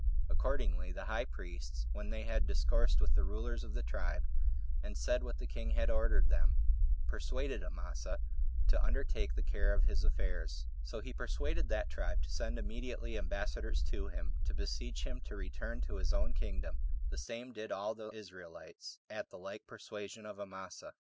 Accordingly the high priests, when they had discoursed with the rulers of the tribe, and said what the king had ordered them, persuaded Amasa to undertake the care of his affairs. So he persuaded that tribe to send immediately ambassadors to him, to beseech him to return to his own kingdom. The same did all the Israelites, at the like persuasion of Amasa. 2.